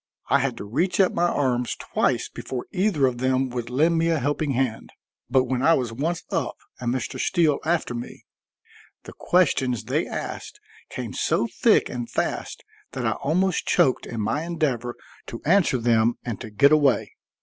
I had to reach up my arms twice before either of them would lend me a helping hand. But when I was once up and Mr. Steele after me, the questions they asked came so thick and fast that I almost choked in my endeavor to answer them and to get away.